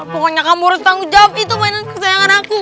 pokoknya kamu harus tanggung jawab itu mainan kesayangan aku